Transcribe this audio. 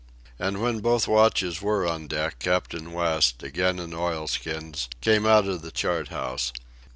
And when both watches were on deck Captain West, again in oilskins, came out of the chart house.